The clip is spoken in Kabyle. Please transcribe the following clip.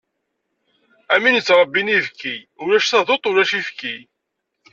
Am win yettṛebbin ibki, ulac taduḍt, ulac ifki.